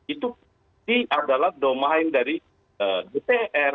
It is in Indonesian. itu pasti adalah domain dari dpr